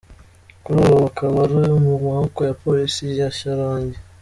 Kuri ubu akaba ari mu maboko ya Polisi ya Shyorongi.